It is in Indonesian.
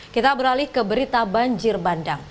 kita beralih ke berita banjir bandang